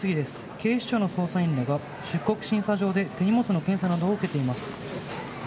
警視庁の捜査員らが出国審査場で手荷物の審査などを受けています。